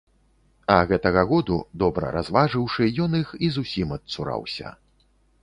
А гэтага году, добра разважыўшы, ён іх і зусім адцураўся.